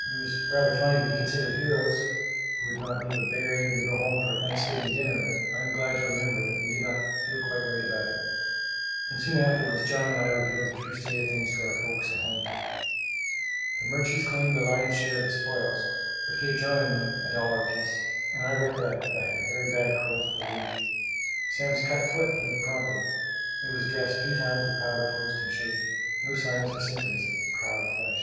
It was rather fine to be considered heroes, who would not leave a bear even to go home to a Thanksgiving dinner; but I am glad to remember that we did not feel quite right about it; and soon afterward John and I revealed the true state of things to our folks at home. The Murches claimed the lion's share of the spoils, but gave John and me a dollar apiece; and I recollect that I had a very bad cold for a week. Sam's cut foot healed promptly. It was dressed three times with powder post, and showed no sign or symptoms of "proud flesh."